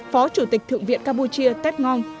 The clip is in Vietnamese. phó chủ tịch thượng viện campuchia tết ngon